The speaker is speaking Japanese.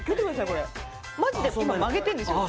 これマジで今曲げてんですよ